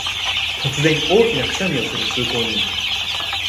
突然、大きなくしゃみをする通行人